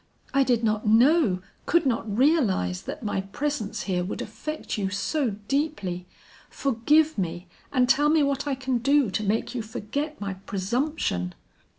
"I did not know, could not realize that my presence here would affect you so deeply. Forgive me and tell me what I can do to make you forget my presumption."